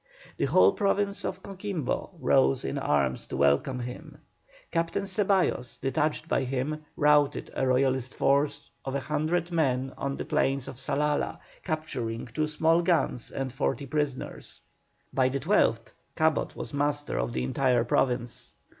The whole province of Coquimbo rose in arms to welcome him. Captain Ceballos, detached by him, routed a Royalist force of a hundred men on the plains of Salala, capturing two small guns and forty prisoners. By the 12th Cabot was master of the entire province.